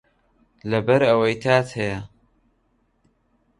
لەبەر ئەوەی تات هەیە